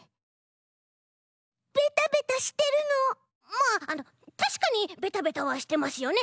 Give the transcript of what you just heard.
まあたしかにベタベタはしてますよね。